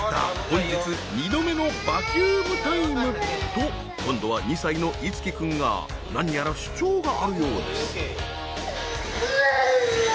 本日２度目のバキューム・タイム。と今度は２歳の一稀君が何やら主張があるようです。